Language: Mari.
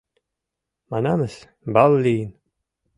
— Манамыс, бал лийын.